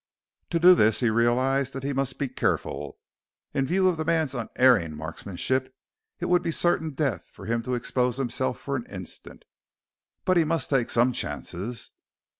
To do this he realized that he must be careful. In view of the man's unerring marksmanship it would be certain death for him to expose himself for an instant. But he must take some chances.